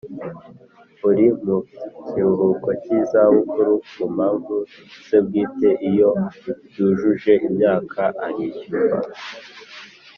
Uri mu kiruhuko cy’izabukuru ku mpamvu ze bwite iyo yujuje imyaka arishyurwa